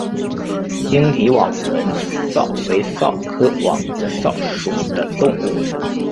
棘体网纹蚤为蚤科网纹蚤属的动物。